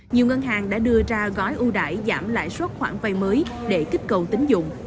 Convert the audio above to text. ngân hàng đã đưa ra gói ưu đãi giảm lãi suất khoản vay mới để kích cầu tín dụng